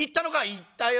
「行ったよ。